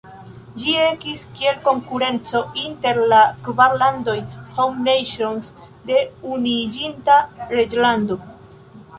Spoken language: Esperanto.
Ĝi ekis kiel konkurenco inter la kvar landoj "Home Nations" de Unuiĝinta Reĝlando.